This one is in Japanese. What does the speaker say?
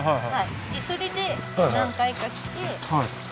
それで何回か来て。